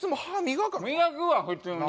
磨くわ普通に。